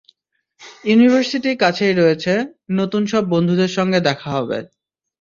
University কাছেই রয়েছে, নতুন সব বন্ধুর সঙ্গে দেখা হবে।